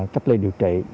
cách lây điều trị